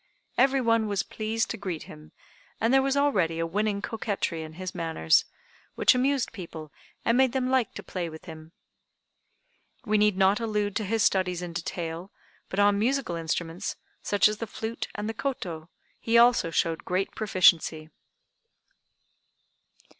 Every one was pleased to greet him, and there was already a winning coquetry in his manners, which amused people, and made them like to play with him. We need not allude to his studies in detail, but on musical instruments, such as the flute and the koto, he also showed great proficiency.